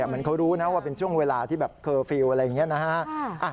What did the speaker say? เหมือนเขารู้นะว่าเป็นช่วงเวลาที่แบบเคอร์ฟิลล์อะไรอย่างนี้นะฮะ